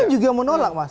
kita juga mau nolak mas